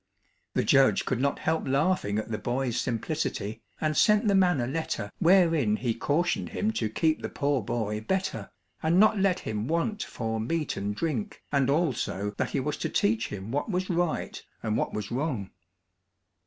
The judge could not help laughing at the boy's simplicity, and sent the man a letter wherein he cautioned him to keep the poor boy better, and not let him want for meat and drink, and also that he was to teach him what was right and what was wrong.